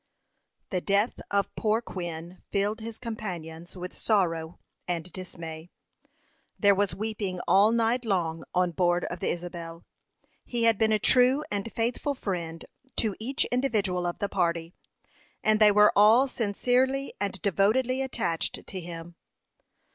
The death of poor Quin filled his companions with sorrow and dismay. There was weeping all night long on board of the Isabel. He had been a true and faithful friend to each individual of the party, and they were all sincerely and devotedly attached to him.